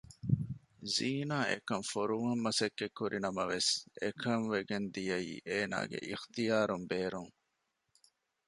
ޒީނާ އެކަން ފޮރުވަން މަސައްކަތް ކުރި ނަމަވެސް އެކަންވެގެން ދިޔައީ އޭނަގެ އިޙްތިޔާރުން ބޭރުން